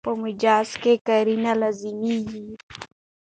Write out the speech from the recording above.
په مجاز کښي قرینه لازمي يي.